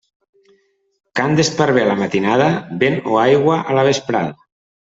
Cant d'esparver a la matinada, vent o aigua a la vesprada.